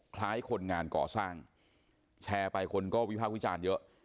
คล้ายคนงานก่อสร้างแชร์ไปคนก็วิภาควิจารณ์เยอะ